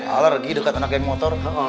alar pergi dekat anak yang motor